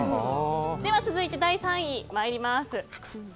続いて第３位に参ります。